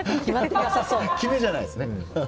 決めじゃないですね。